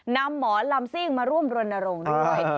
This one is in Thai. หมอลำซิ่งมาร่วมรณรงค์ด้วย